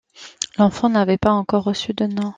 L'enfant n'avait pas encore reçu de nom.